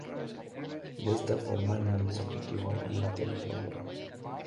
De esta forma el mundo es objetivo e inteligible.